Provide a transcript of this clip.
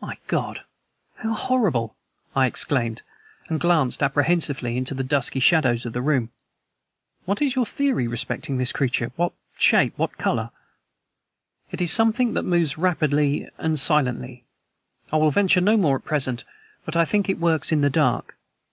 "My God! How horrible!" I exclaimed, and glanced apprehensively into the dusky shadows of the room. "What is your theory respecting this creature what shape, what color ?" "It is something that moves rapidly and silently. I will venture no more at present, but I think it works in the dark.